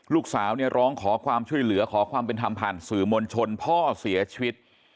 ลูกสาวเนี่ยร้องขอความช่วยเหลือขอความเป็นธรรมผ่านสื่อมวลชนพ่อเสียชีวิต